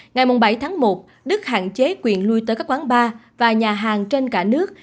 ngày bảy tháng một đức hạn chế quyền lui tới các quán bar và nhà hàng trên cả nước